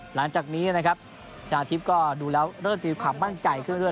หลังจากนี้นะครับชนะทิพย์ก็ดูแล้วเริ่มจะมีความมั่นใจขึ้นเรื